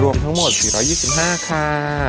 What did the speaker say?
รวมทั้งหมด๔๒๕ค่ะ